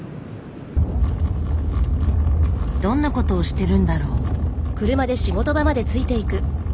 どんなことをしてるんだろう？